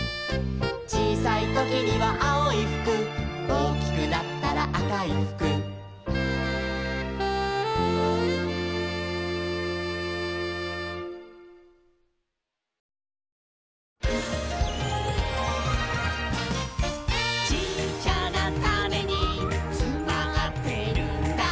「ちいさいときにはあおいふく」「おおきくなったらあかいふく」「ちっちゃなタネにつまってるんだ」